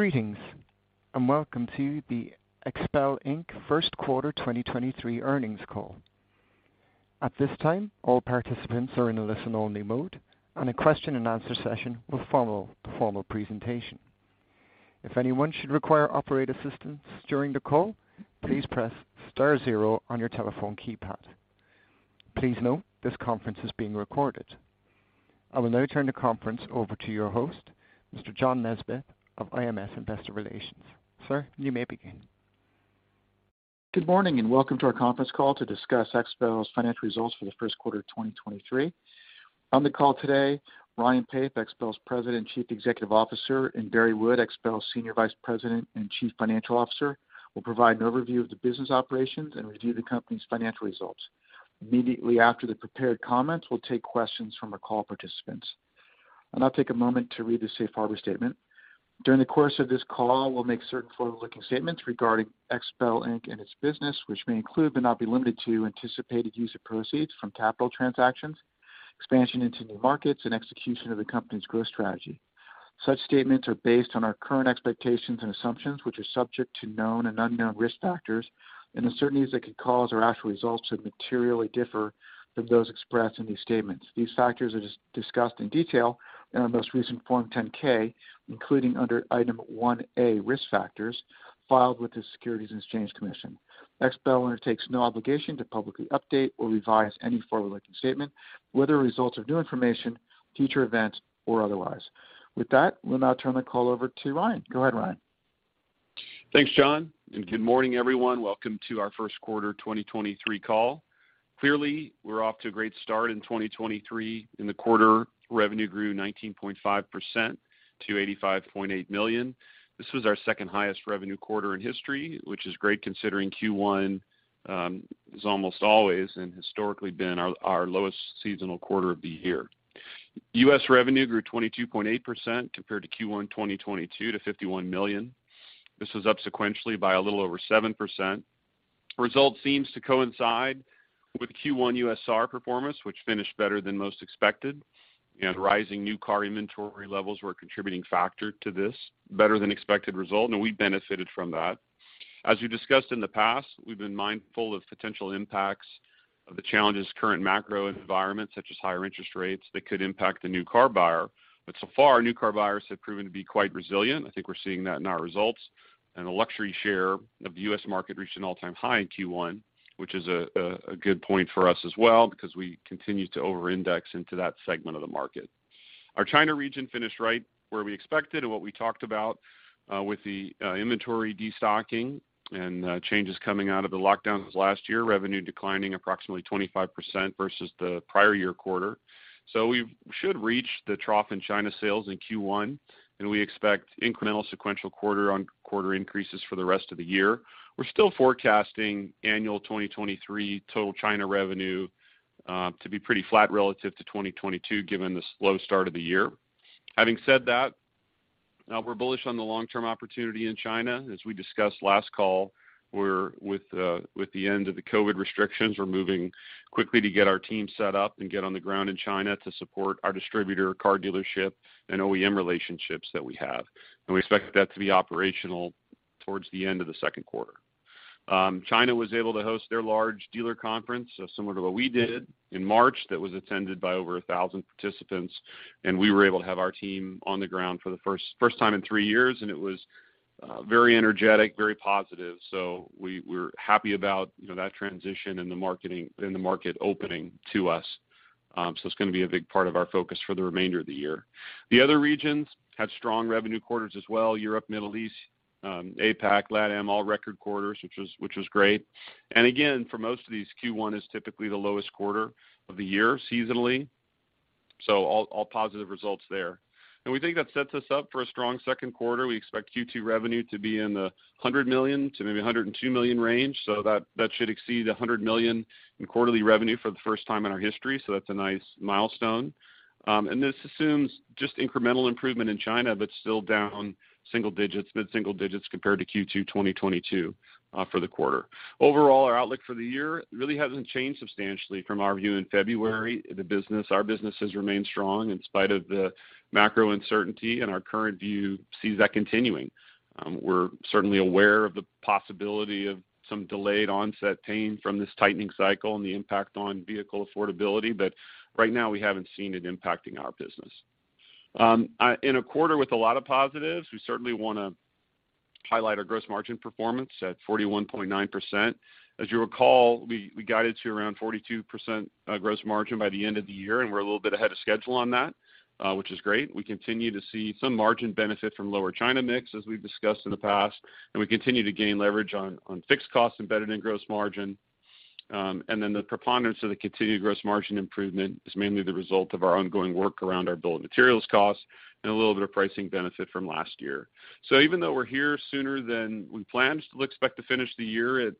Greetings, welcome to the XPEL, Inc. Q1 2023 earnings call. At this time, all participants are in a listen-only mode. A question-and-answer session will follow the formal presentation. If anyone should require operator assistance during the call, please press star zero on your telephone keypad. Please note, this conference is being recorded. I will now turn the conference over to your host, Mr. John Nesbett of IMS Investor Relations. Sir, you may begin. Good morning, and welcome to our conference call to discuss XPEL's financial results for the Q1 of 2023. On the call today, Ryan Pape, XPEL's President and Chief Executive Officer, and Barry Wood, XPEL's Senior Vice President and Chief Financial Officer, will provide an overview of the business operations and review the company's financial results. Immediately after the prepared comments, we'll take questions from our call participants. I'll now take a moment to read the safe harbor statement. During the course of this call, we'll make certain forward-looking statements regarding XPEL, Inc. and its business, which may include, but not be limited to anticipated use of proceeds from capital transactions, expansion into new markets, and execution of the company's growth strategy. Such statements are based on our current expectations and assumptions, which are subject to known and unknown risk factors and uncertainties that could cause our actual results to materially differ from those expressed in these statements. These factors are discussed in detail in our most recent Form 10-K, including under Item 1A, Risk Factors, filed with the Securities and Exchange Commission. XPEL undertakes no obligation to publicly update or revise any forward-looking statement, whether as a result of new information, future events, or otherwise. With that, we'll now turn the call over to Ryan. Go ahead, Ryan. Thanks, John, and good morning, everyone. Welcome to our Q1 2023 call. Clearly, we're off to a great start in 2023. In the quarter, revenue grew 19.5% to $85.8 million. This was our second-highest revenue quarter in history, which is great considering Q1 is almost always and historically been our lowest seasonal quarter of the year. U.S. revenue grew 22.8% compared to Q1 2022 to $51 million. This was up sequentially by a little over 7%. Result seems to coincide with Q1 USR performance, which finished better than most expected, and rising new car inventory levels were a contributing factor to this better-than-expected result, and we benefited from that. As we discussed in the past, we've been mindful of potential impacts of the challenges current macro environment, such as higher interest rates that could impact the new car buyer. So far, new car buyers have proven to be quite resilient. I think we're seeing that in our results. The luxury share of the U.S. market reached an all-time high in Q1, which is a good point for us as well because we continue to over-index into that segment of the market. Our China region finished right where we expected and what we talked about with the inventory destocking and changes coming out of the lockdowns last year, revenue declining approximately 25% versus the prior year quarter. We should reach the trough in China sales in Q1. We expect incremental sequential quarter-on-quarter increases for the rest of the year. We're still forecasting annual 2023 total China revenue to be pretty flat relative to 2022, given the slow start of the year. Having said that, now we're bullish on the long-term opportunity in China. As we discussed last call, we're with the end of the COVID restrictions, we're moving quickly to get our team set up and get on the ground in China to support our distributor, car dealership, and OEM relationships that we have. We expect that to be operational towards the end of the Q2. China was able to host their large dealer conference, so similar to what we did in March that was attended by over 1,000 participants, and we were able to have our team on the ground for the first time in three years, and it was very energetic, very positive. We're happy about, you know, that transition and the marketing and the market opening to us. It's gonna be a big part of our focus for the remainder of the year. The other regions had strong revenue quarters as well. Europe, Middle East, APAC, LATAM, all record quarters, which was great. Again, for most of these, Q1 is typically the lowest quarter of the year seasonally, so all positive results there. We think that sets us up for a strong Q2. We expect Q2 revenue to be in the $100 million to maybe $102 million range. That should exceed $100 million in quarterly revenue for the first time in our history. That's a nice milestone. And this assumes just incremental improvement in China, but still down single digits, mid-single digits compared to Q2 2022, for the quarter. Overall, our outlook for the year really hasn't changed substantially from our view in February. Our business has remained strong in spite of the macro uncertainty, and our current view sees that continuing. We're certainly aware of the possibility of some delayed onset pain from this tightening cycle and the impact on vehicle affordability, Right now, we haven't seen it impacting our business. In a quarter with a lot of positives, we certainly wanna highlight our gross margin performance at 41.9%. As you recall, we guided to around 42% gross margin by the end of the year, and we're a little bit ahead of schedule on that, which is great. We continue to see some margin benefit from lower China mix, as we've discussed in the past, and we continue to gain leverage on fixed costs embedded in gross margin. The preponderance of the continued gross margin improvement is mainly the result of our ongoing work around our bill of materials cost and a little bit of pricing benefit from last year. Even though we're here sooner than we planned, we'll expect to finish the year at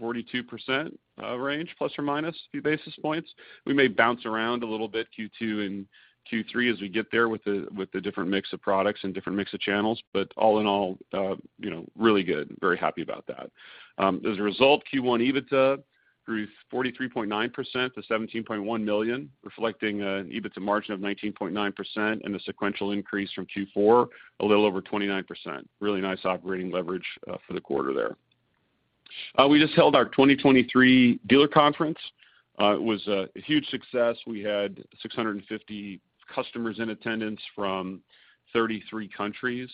42% range plus or minus a few basis points. We may bounce around a little bit Q2 and Q3 as we get there with the different mix of products and different mix of channels. All in all, you know, really good and very happy about that. As a result, Q1 EBITDA grew 43.9% to $17.1 million, reflecting an EBITDA margin of 19.9% and a sequential increase from Q4 a little over 29%. Really nice operating leverage for the quarter there. We just held our 2023 dealer conference. It was a huge success. We had 650 customers in attendance from 33 countries.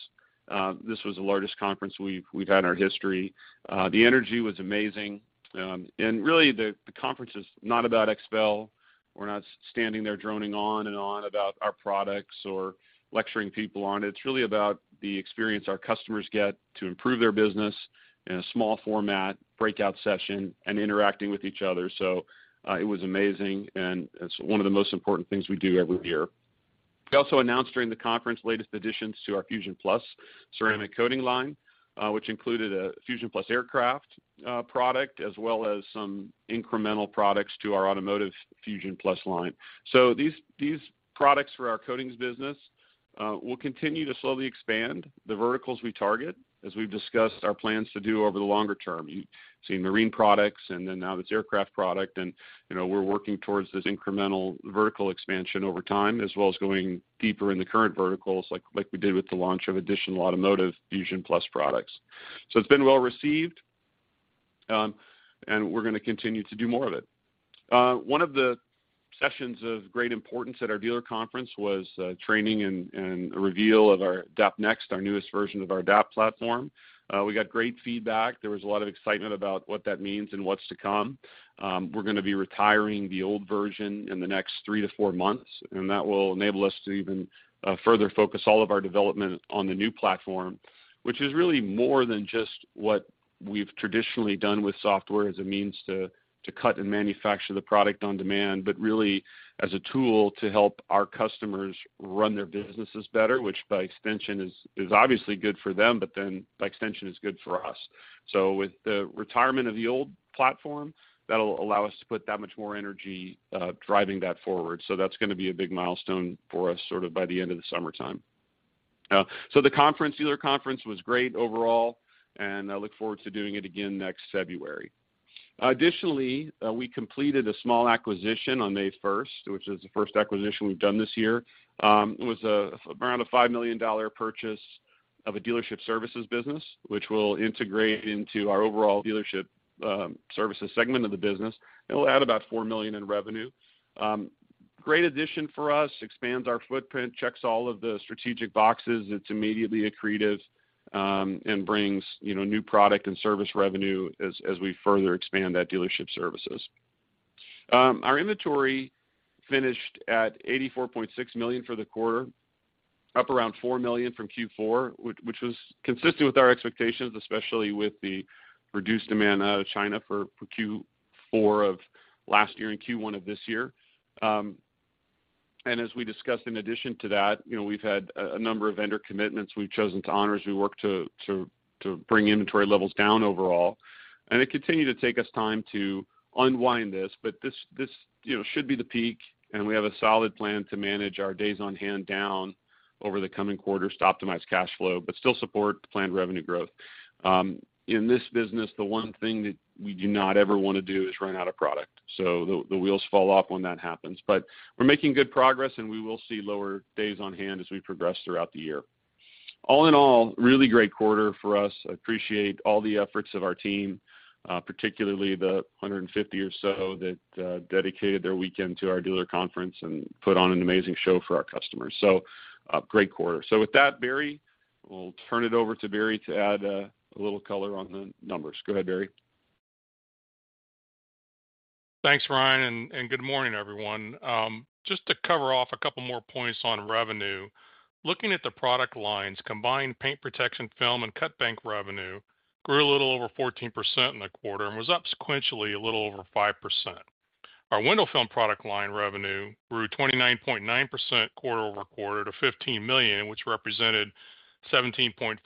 This was the largest conference we've had in our history. The energy was amazing. Really the conference is not about XPEL. We're not standing there droning on and on about our products or lecturing people on it. It's really about the experience our customers get to improve their business in a small format, breakout session, and interacting with each other. It was amazing, and it's one of the most important things we do every year. We also announced during the conference latest additions to our FUSION PLUS ceramic coating line, which included a FUSION PLUS AIRCRAFT product, as well as some incremental products to our automotive FUSION PLUS line. These products for our coatings business will continue to slowly expand the verticals we target as we've discussed our plans to do over the longer term. You've seen marine products and then now this aircraft product. You know, we're working towards this incremental vertical expansion over time, as well as going deeper in the current verticals like we did with the launch of additional automotive FUSION PLUS products. It's been well received, and we're gonna continue to do more of it. One of the sessions of great importance at our dealer conference was training and a reveal of our DAP NEXT, our newest version of our DAP platform. We got great feedback. There was a lot of excitement about what that means and what's to come. We're gonna be retiring the old version in the next three to four months. That will enable us to even further focus all of our development on the new platform, which is really more than just what we've traditionally done with software as a means to cut and manufacture the product on demand, but really as a tool to help our customers run their businesses better, which by extension is obviously good for them, but then by extension is good for us. With the retirement of the old platform, that'll allow us to put that much more energy driving that forward. That's gonna be a big milestone for us sort of by the end of the summertime. The dealer conference was great overall. I look forward to doing it again next February. Additionally, we completed a small acquisition on May first, which is the first acquisition we've done this year. It was around a $5 million purchase of a dealership services business, which we'll integrate into our overall dealership services segment of the business. It'll add about $4 million in revenue. Great addition for us, expands our footprint, checks all of the strategic boxes. It's immediately accretive, and brings, you know, new product and service revenue as we further expand that dealership services. Our inventory finished at $84.6 million for the quarter, up around $4 million from Q4, which was consistent with our expectations, especially with the reduced demand out of China for Q4 of last year and Q1 of this year. As we discussed in addition to that, you know, we've had a number of vendor commitments we've chosen to honor as we work to bring inventory levels down overall. It continued to take us time to unwind this, but this, you know, should be the peak, and we have a solid plan to manage our days on hand down over the coming quarters to optimize cash flow but still support the planned revenue growth. In this business, the one thing that we do not ever wanna do is run out of product. The wheels fall off when that happens. We're making good progress, and we will see lower days on hand as we progress throughout the year. All in all, really great quarter for us. Appreciate all the efforts of our team, particularly the 150 or so that dedicated their weekend to our dealer conference and put on an amazing show for our customers. Great quarter. With that, Barry, we'll turn it over to Barry to add a little color on the numbers. Go ahead, Barry. Thanks, Ryan, and good morning, everyone. Just to cover off a couple more points on revenue. Looking at the product lines, combined paint protection film and cut bank revenue grew a little over 14% in the quarter and was up sequentially a little over 5%. Our window film product line revenue grew 29.9% quarter-over-quarter to $15 million, which represented 17.5%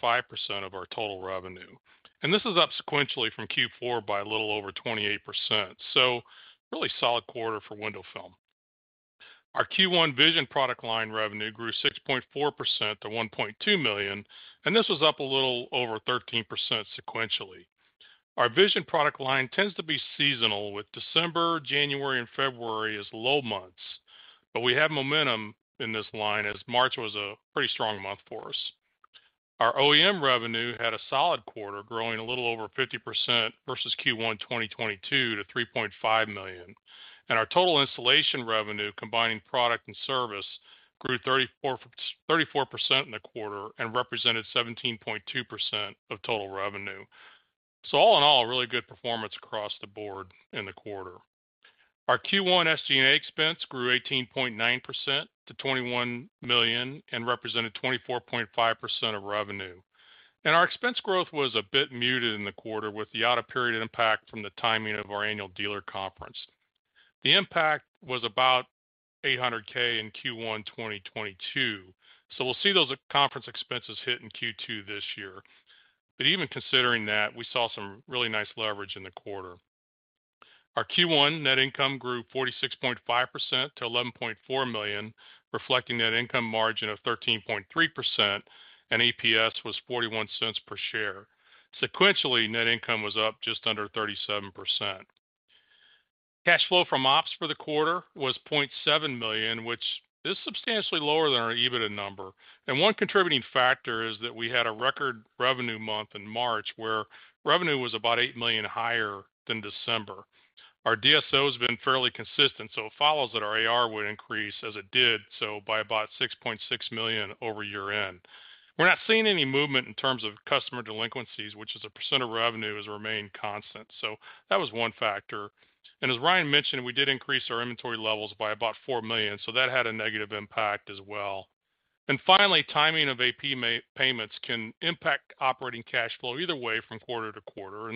of our total revenue. This is up sequentially from Q4 by a little over 28%. Really solid quarter for window film. Our Q1 VISION product line revenue grew 6.4% to $1.2 million, and this was up a little over 13% sequentially. Our VISION product line tends to be seasonal, with December, January, and February as low months, but we have momentum in this line as March was a pretty strong month for us. Our OEM revenue had a solid quarter, growing a little over 50% versus Q1 2022 to $3.5 million. Total installation revenue, combining product and service, grew 34% in the quarter and represented 17.2% of total revenue. All in all, really good performance across the board in the quarter. Our Q1 SG&A expense grew 18.9% to $21 million and represented 24.5% of revenue. Our expense growth was a bit muted in the quarter with the out-of-period impact from the timing of our annual dealer conference. The impact was about $800 thousand in Q1 2022, so we'll see those conference expenses hit in Q2 this year. Even considering that, we saw some really nice leverage in the quarter. Our Q1 net income grew 46.5% to $11.4 million, reflecting net income margin of 13.3%, and EPS was $0.41 per share. Sequentially, net income was up just under 37%. One contributing factor is that we had a record revenue month in March, where revenue was about $8 million higher than December. Our DSO has been fairly consistent, so it follows that our AR would increase as it did, so by about $6.6 million over year-end. We're not seeing any movement in terms of customer delinquencies, which as a percent of revenue has remained constant. That was one factor. As Ryan mentioned, we did increase our inventory levels by about $4 million. That had a negative impact as well. Finally, timing of AP payments can impact operating cash flow either way from quarter to quarter.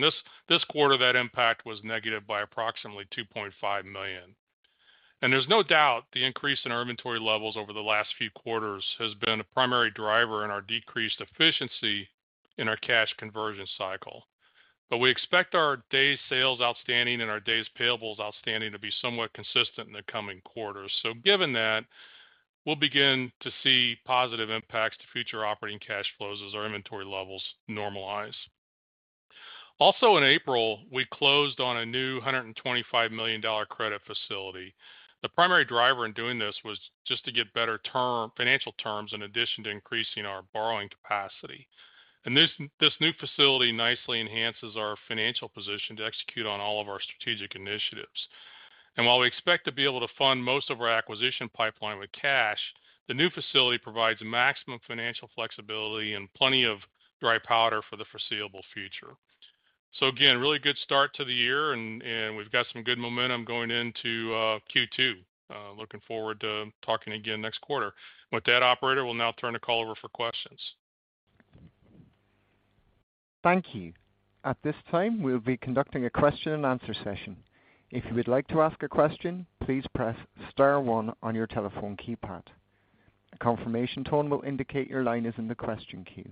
This quarter, that impact was negative by approximately $2.5 million. There's no doubt the increase in our inventory levels over the last few quarters has been a primary driver in our decreased efficiency in our cash conversion cycle. We expect our days sales outstanding and our days payable outstanding to be somewhat consistent in the coming quarters. Given that, we'll begin to see positive impacts to future operating cash flows as our inventory levels normalize. Also in April, we closed on a new $125 million credit facility. The primary driver in doing this was just to get better financial terms in addition to increasing our borrowing capacity. This new facility nicely enhances our financial position to execute on all of our strategic initiatives. While we expect to be able to fund most of our acquisition pipeline with cash, the new facility provides maximum financial flexibility and plenty of dry powder for the foreseeable future. Again, really good start to the year and we've got some good momentum going into Q2. Looking forward to talking again next quarter. With that operator, we'll now turn the call over for questions. Thank you. At this time, we'll be conducting a question and answer session. If you would like to ask a question, please press star one on your telephone keypad. A confirmation tone will indicate your line is in the question queue.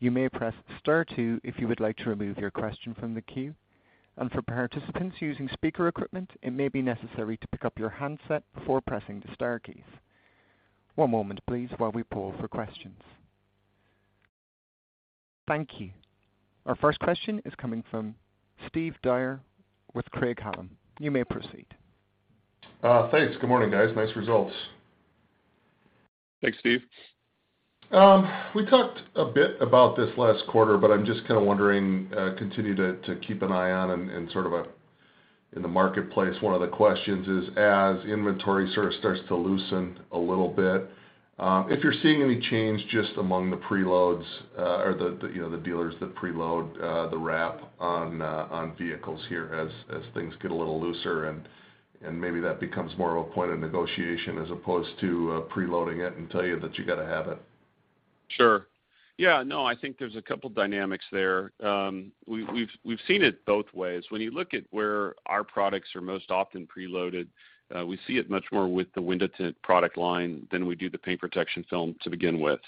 You may press star two if you would like to remove your question from the queue. For participants using speaker equipment, it may be necessary to pick up your handset before pressing the star keys. One moment please while we pull for questions. Thank you. Our first question is coming from Steve Dyer with Craig-Hallum. You may proceed. Thanks. Good morning, guys. Nice results. Thanks, Steve. We talked a bit about this last quarter. I'm just kind of wondering, continue to keep an eye on and sort of in the marketplace, one of the questions is as inventory sort of starts to loosen a little bit, if you're seeing any change just among the preloads, or the, you know, the dealers that preload, the wrap on vehicles here as things get a little looser and maybe that becomes more of a point of negotiation as opposed to preloading it and tell you that you gotta have it. Sure. Yeah, no, I think there's a couple dynamics there. We've seen it both ways. When you look at where our products are most often preloaded, we see it much more with the window tint product line than we do the paint protection film to begin with.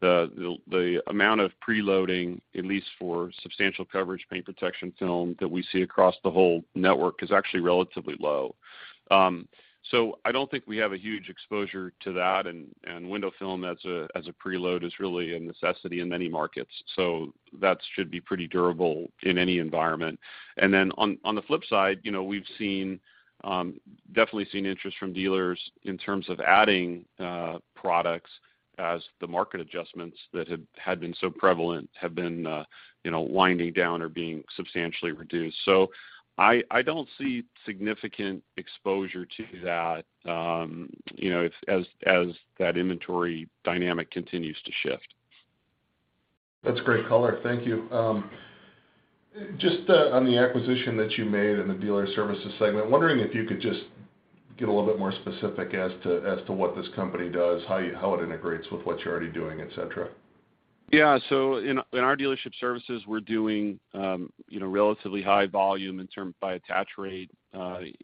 The amount of preloading, at least for substantial coverage paint protection film that we see across the whole network is actually relatively low. I don't think we have a huge exposure to that and window film as a preload is really a necessity in many markets. That should be pretty durable in any environment. On the flip side, you know, we've seen, definitely seen interest from dealers in terms of adding, products as the market adjustments that had been so prevalent have been, you know, winding down or being substantially reduced. I don't see significant exposure to that, you know, as that inventory dynamic continues to shift. That's a great color. Thank you. Just on the acquisition that you made in the dealer services segment, wondering if you could just get a little bit more specific as to what this company does, how it integrates with what you're already doing, et cetera? In our dealership services, we're doing, you know, relatively high volume in term by attach rate,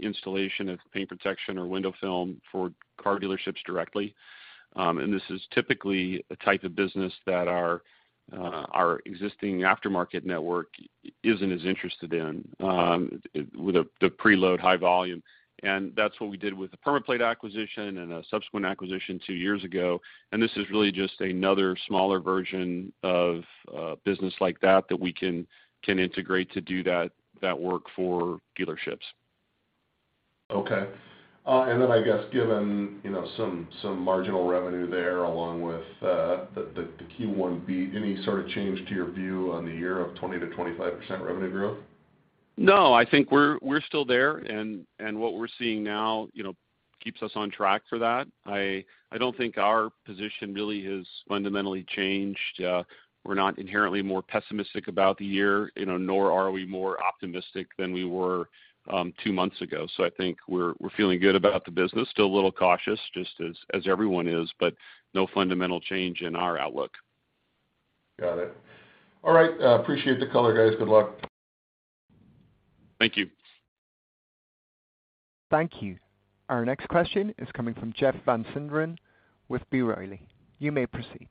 installation of paint protection or window film for car dealerships directly. This is typically a type of business that our existing aftermarket network isn't as interested in with the preload high volume. That's what we did with the PermaPlate acquisition and a subsequent acquisition two years ago. This is really just another smaller version of a business like that we can integrate to do that work for dealerships. Okay. I guess given, you know, some marginal revenue there, along with, the Q1 beat, any sort of change to your view on the year of 20%-25% revenue growth? No, I think we're still there and what we're seeing now, you know, keeps us on track for that. I don't think our position really has fundamentally changed. We're not inherently more pessimistic about the year, you know, nor are we more optimistic than we were two months ago. I think we're feeling good about the business. Still a little cautious just as everyone is, but no fundamental change in our outlook. Got it. All right. Appreciate the color, guys. Good luck. Thank you. Thank you. Our next question is coming from Jeff Van Sinderen with B. Riley. You may proceed.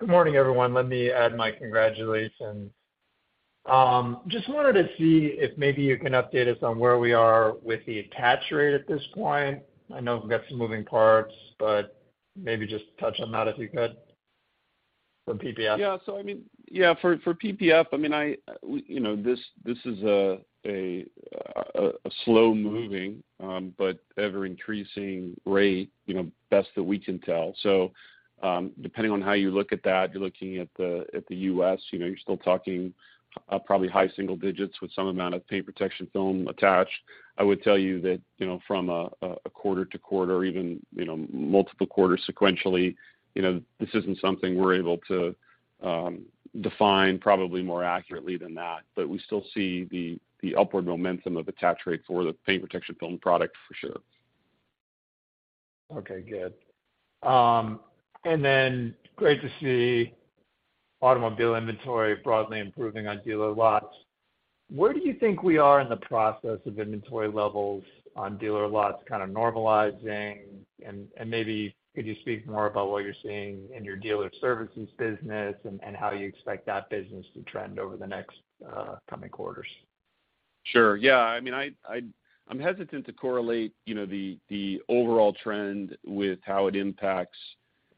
Good morning, everyone. Let me add my congratulations. Just wanted to see if maybe you can update us on where we are with the attach rate at this point? I know we've got some moving parts, maybe just touch on that if you could? For PPF? I mean, yeah, for PPF, I mean, I, we, you know, this is a, a slow-moving, but ever-increasing rate, you know, best that we can tell. Depending on how you look at that, you're looking at the U.S., you know, you're still talking, probably high single digits with some amount of paint protection film attached. I would tell you that, you know, from a quarter to quarter or even, you know, multiple quarters sequentially, you know, this isn't something we're able to, define probably more accurately than that. We still see the upward momentum of attach rate for the paint protection film product for sure. Okay, good. Great to see automobile inventory broadly improving on dealer lots. Where do you think we are in the process of inventory levels on dealer lots kind of normalizing and maybe could you speak more about what you're seeing in your dealer services business and how you expect that business to trend over the next coming quarters? Sure. Yeah. I mean, I'm hesitant to correlate, you know, the overall trend with how it impacts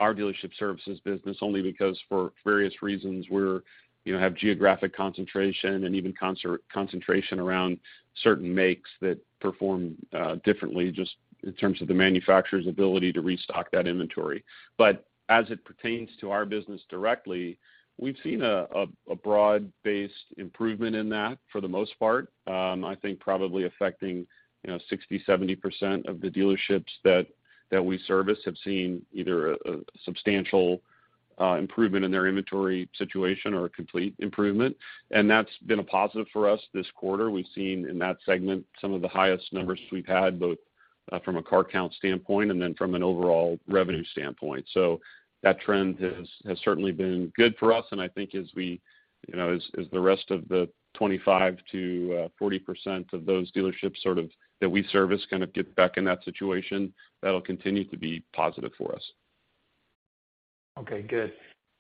our dealership services business, only because for various reasons we're, you know, have geographic concentration and even concentration around certain makes that perform differently just in terms of the manufacturer's ability to restock that inventory. As it pertains to our business directly, we've seen a broad-based improvement in that for the most part. I think probably affecting, you know, 60%, 70% of the dealerships that we service have seen either a substantial improvement in their inventory situation or a complete improvement, and that's been a positive for us this quarter. We've seen in that segment some of the highest numbers we've had, both from a car count standpoint and then from an overall revenue standpoint. That trend has certainly been good for us, and I think as we, you know, as the rest of the 25%-40% of those dealerships sort of that we service kind of get back in that situation, that'll continue to be positive for us. Okay, good.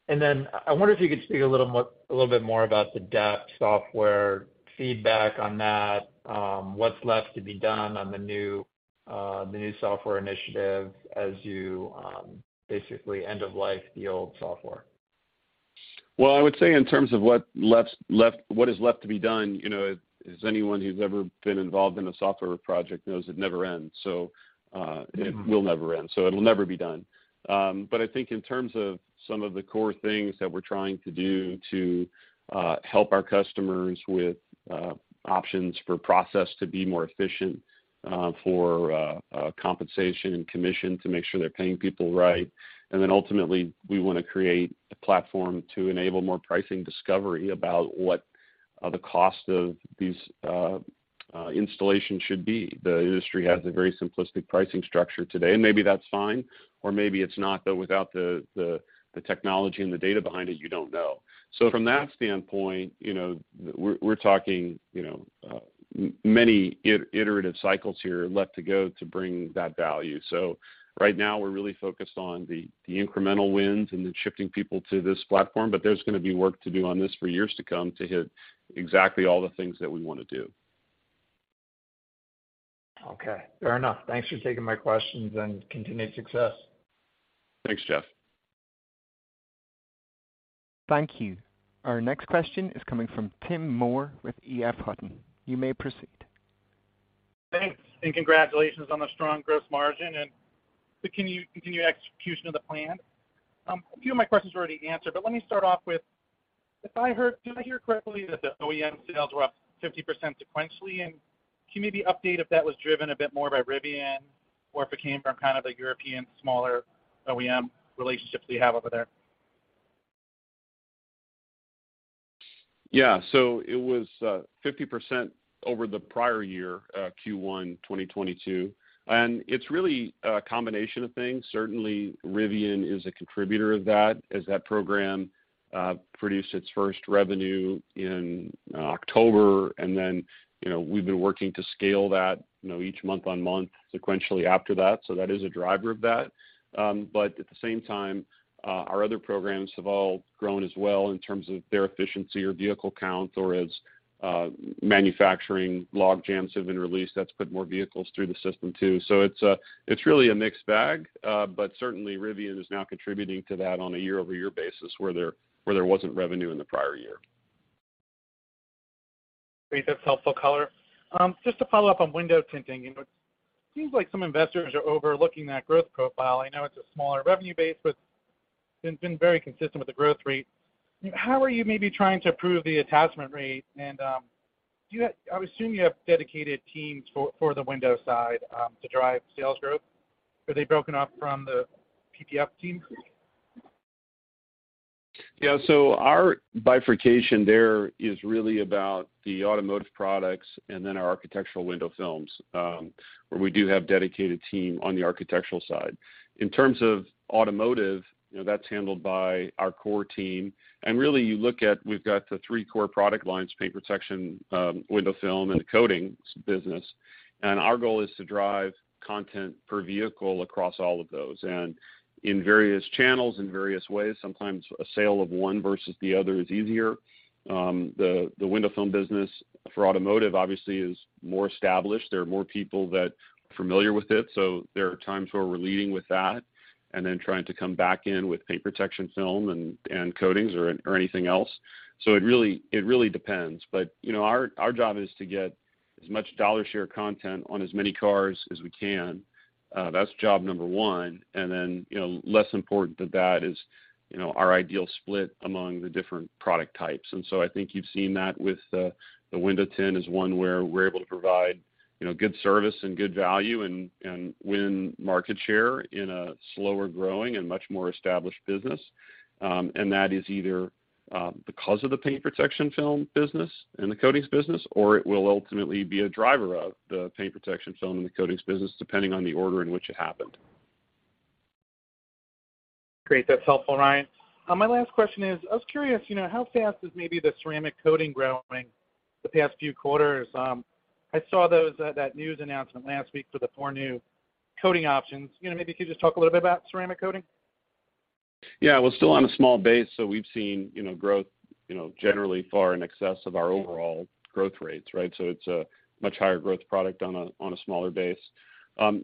I wonder if you could speak a little bit more about the DAP software feedback on that, what's left to be done on the new, the new software initiative as you basically end of life the old software. I would say in terms of what is left to be done, you know, as anyone who's ever been involved in a software project knows it never ends, so it will never end, so it'll never be done. I think in terms of some of the core things that we're trying to do to help our customers with options for process to be more efficient, for compensation and commission to make sure they're paying people right. Then ultimately, we wanna create a platform to enable more pricing discovery about what the cost of these installations should be. The industry has a very simplistic pricing structure today, and maybe that's fine or maybe it's not. Without the technology and the data behind it, you don't know. From that standpoint, you know, we're talking, you know, many iterative cycles here left to go to bring that value. Right now we're really focused on the incremental wins and then shifting people to this platform. There's gonna be work to do on this for years to come to hit exactly all the things that we wanna do. Okay. Fair enough. Thanks for taking my questions and continued success. Thanks, Jeff. Thank you. Our next question is coming from Tim Moore with EF Hutton. You may proceed. Thanks and congratulations on the strong gross margin and the continued execution of the plan. A few of my questions were already answered, but let me start off with, did I hear correctly that the OEM sales were up 50% sequentially? Can you maybe update if that was driven a bit more by Rivian or if it came from kind of the European smaller OEM relationships you have over there? It was 50% over the prior year, Q1 2022. It's really a combination of things. Certainly Rivian is a contributor of that as that program produced its first revenue in October. You know, we've been working to scale that, you know, each month-on-month sequentially after that. That is a driver of that. At the same time, our other programs have all grown as well in terms of their efficiency or vehicle count or as manufacturing log jams have been released. That's put more vehicles through the system too. It's really a mixed bag, but certainly Rivian is now contributing to that on a year-over-year basis where there, where there wasn't revenue in the prior year. Great. That's helpful color. Just to follow up on window tinting. You know, it seems like some investors are overlooking that growth profile. I know it's a smaller revenue base, but it's been very consistent with the growth rate. How are you maybe trying to improve the attach rate? Do you have... I would assume you have dedicated teams for the window side to drive sales growth. Are they broken off from the PPF team? Our bifurcation there is really about the automotive products and then our architectural window films, where we do have dedicated team on the architectural side. In terms of automotive, you know, that's handled by our core team. You look at we've got the three core product lines, paint protection, window film and the coatings business, and our goal is to drive content per vehicle across all of those. In various channels, in various ways, sometimes a sale of one versus the other is easier. The window film business for automotive obviously is more established. There are more people that are familiar with it, so there are times where we're leading with that and then trying to come back in with paint protection film and coatings or anything else. It really depends. You know, our job is to get as much dollar share content on as many cars as we can, that's job number one. You know, less important than that is, you know, our ideal split among the different product types. I think you've seen that with the window tint is one where we're able to provide, you know, good service and good value and win market share in a slower growing and much more established business. That is either the cause of the paint protection film business and the coatings business, or it will ultimately be a driver of the paint protection film and the coatings business, depending on the order in which it happened. Great. That's helpful, Ryan. My last question is, I was curious, you know, how fast is maybe the ceramic coating growing the past few quarters? I saw those, that news announcement last week for the four new coating options. You know, maybe could you just talk a little bit about ceramic coating? Yeah. Well, still on a small base, we've seen, you know, growth, you know, generally far in excess of our overall growth rates, right? It's a much higher growth product on a, on a smaller base.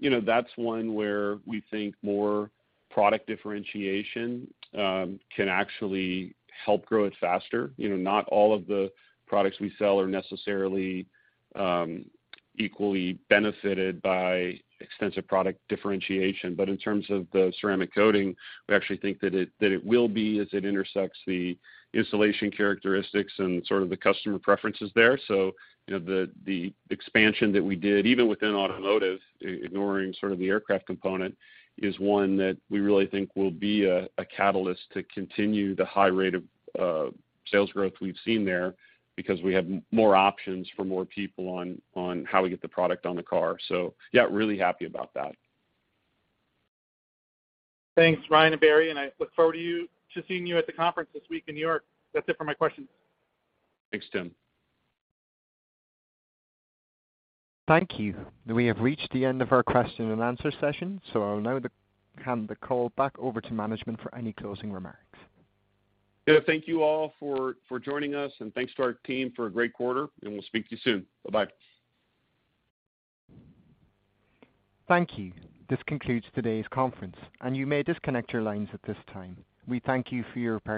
You know, that's one where we think more product differentiation can actually help grow it faster. You know, not all of the products we sell are necessarily equally benefited by extensive product differentiation. In terms of the ceramic coating, we actually think that it will be as it intersects the installation characteristics and sort of the customer preferences there. You know, the expansion that we did, even within automotive, ignoring sort of the aircraft component, is one that we really think will be a catalyst to continue the high rate of sales growth we've seen there because we have more options for more people on how we get the product on the car. Yeah, really happy about that. Thanks, Ryan and Barry. I look forward to seeing you at the conference this week in New York. That's it for my questions. Thanks, Tim. Thank you. We have reached the end of our question and answer session. I'll now hand the call back over to management for any closing remarks. Yeah, thank you all for joining us, and thanks to our team for a great quarter, and we'll speak to you soon. Bye-bye. Thank you. This concludes today's conference, and you may disconnect your lines at this time. We thank you for your participation.